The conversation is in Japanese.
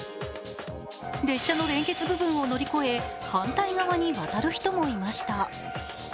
列車の連結部分を乗り越え反対側に渡る人もいました。